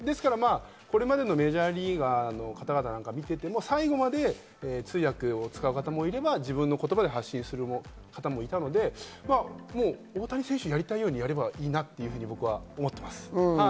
これまでのメジャーリーガーの方々なんかを見ていても最後まで通訳を使う方もいたり、自分の言葉で発信する人もいたりして大谷選手はやりたいようにやればいいなと思っています。